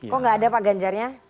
kok gak ada pak ganjarnya